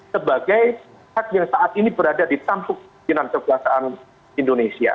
sebagai hak yang saat ini berada di tampuk pimpinan kekuasaan indonesia